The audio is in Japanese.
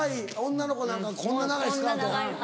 女の子なんかこんな長いスカート。